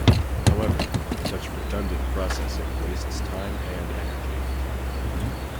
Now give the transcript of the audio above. However, such redundant processing wastes time and energy.